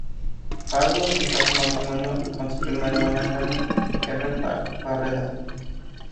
Pardo contrajo matrimonio con su prima hermana Carmen Heeren Barreda.